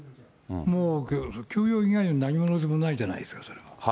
もう、強要以外の何物でもないじゃないですか、それは。